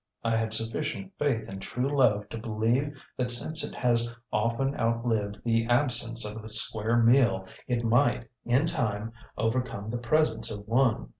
I had sufficient faith in true love to believe that since it has often outlived the absence of a square meal it might, in time, overcome the presence of one.